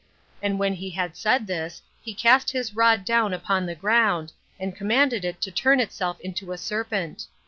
And when he had said this, he cast his rod down upon the ground, and commanded it to turn itself into a serpent.